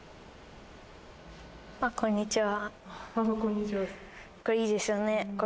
ああこんにちは。